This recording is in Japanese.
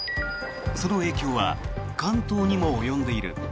その影響は関東にも及んでいる。